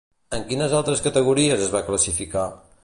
En quines altres categories es va classificar?